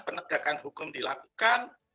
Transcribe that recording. penegakan hukum dilakukan